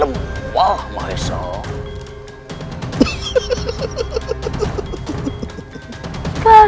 aku di luar